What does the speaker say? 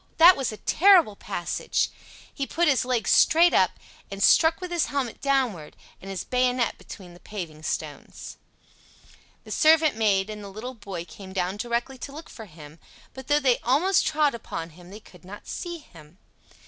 That was a terrible passage! He put his leg straight up, and struck with his helmet downward, and his bayonet between the paving stones. The servant maid and the little boy came down directly to look for him, but though they almost trod upon him they could not see him.